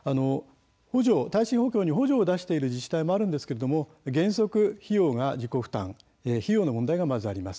耐震補強に補助を出している自治体もあるんですが原則、費用は自己負担費用の問題がまずあります。